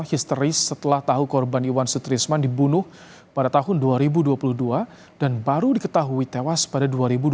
histeris setelah tahu korban iwan sutrisman dibunuh pada tahun dua ribu dua puluh dua dan baru diketahui tewas pada dua ribu dua puluh